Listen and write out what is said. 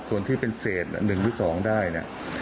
ส่วนที่เป็นเศษ๑หรือ๒ได้เนี่ย